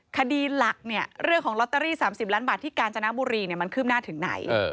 คดีหลักเนี่ยเรื่องของลอตเตอรี่๓๐ล้านบาทที่กาญจนบุรีมันคืบหน้าถึงไหน